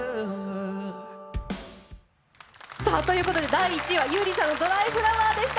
第１位は優里さんの「ドライフラワー」でした。